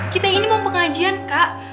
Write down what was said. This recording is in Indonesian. kita ini mau pengajian kak